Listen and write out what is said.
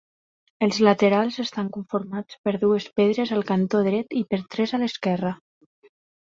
Els laterals estan conformats per dues pedres al cantó dret i per tres a l'esquerra.